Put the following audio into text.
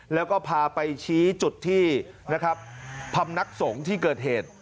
แล้วก็พาไปชี้จุดที่นะครับพำนักสงฆ์ที่เกิดเหตุ